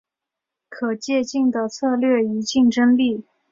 可借镜的策略与竞争力